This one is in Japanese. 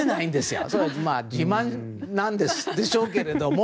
自慢なんでしょうけれども。